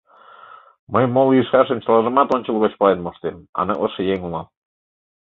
Мый мо лийшашым чылажымат ончылгоч пален моштем, аныклыше еҥ улам.